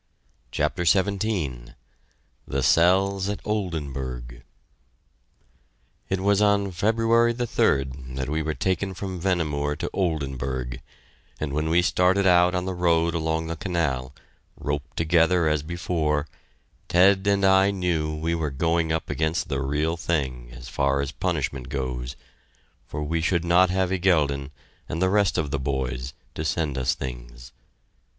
CHAPTER XVII THE CELLS AT OLDENBURG It was on February 3d that we were taken from Vehnemoor to Oldenburg, and when we started out on the road along the canal, roped together as before, Ted and I knew we were going up against the real thing as far as punishment goes, for we should not have Iguellden and the rest of the boys to send us things.